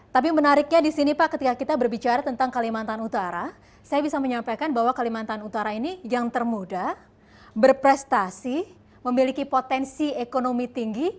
tapi menariknya di sini pak ketika kita berbicara tentang kalimantan utara saya bisa menyampaikan bahwa kalimantan utara ini yang termuda berprestasi memiliki potensi ekonomi tinggi